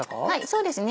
そうですね。